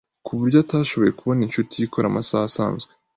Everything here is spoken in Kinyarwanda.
ku buryo atashoboye kubona inshuti ye ikora amasaha asanzwe.